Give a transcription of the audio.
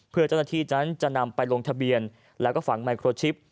เพื่อเจ้าหน้าที่นั้นจะนำไปลงทะเบียนแล้วก็ฝังไมโครชิป